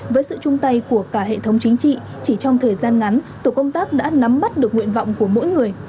với sự chung tay của cả hệ thống chính trị chỉ trong thời gian ngắn tổ công tác đã nắm bắt được nguyện vọng của mỗi người